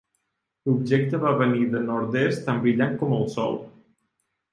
L'objecte va venir del nord-est, tan brillant com el sol.